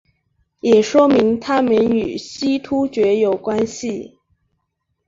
也说明他们与西突厥有关系。